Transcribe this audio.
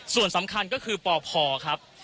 ส่วนสำคัญก็คือปพครับ